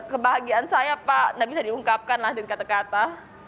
kebahagiaan saya pak tidak bisa diungkapkanlah dengan kata kata